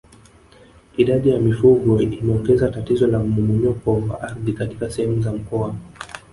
Idadi ya mifugo imeongeza tatizo la mmomonyoko wa ardhi katika sehemu za mkoa